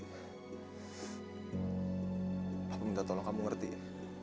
aku minta tolong kamu ngerti ya